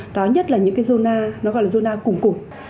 đó nhất là những cái zona nó gọi là zona củng củng